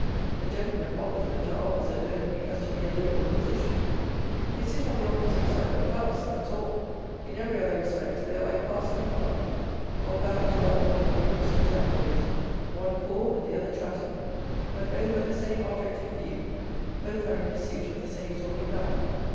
The "gentlemen opposite" are opposite only as to mere local position. They sit on the opposite side of the House: that's all. In every other respect they are like parson and clerk; or, perhaps, rather more like the rooks and jackdaws: one caw and the other chatter; but both have the same object in view: both are in pursuit of the same sort of diet.